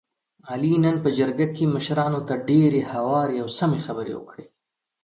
علي نن په جرګه کې مشرانو ته ډېرې هوارې او سمې خبرې وکړلې.